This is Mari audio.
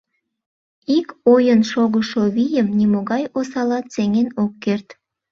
Ик ойын шогышо вийым нимогай осалат сеҥен ок керт.